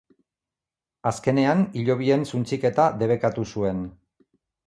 Azkenean, hilobien suntsiketa debekatu zuen.